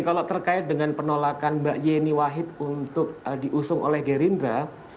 kalau terkait dengan penolakan mbak yeni wahid untuk diusung oleh gerindra